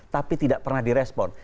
tapi tidak pernah direspon